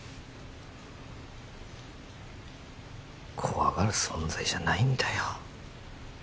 怖がる存在じゃないんだよ